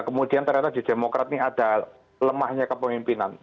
kemudian ternyata di demokrat ini ada lemahnya kepemimpinan